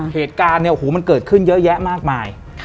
เหตุการณ์มันเกิดขึ้นเยอะแยะมากมาย